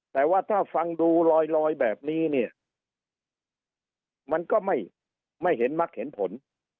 แต่ว่าถ้าฟังดูลอยแบบนี้เนี่ยมันก็ไม่เห็นมักเห็นผล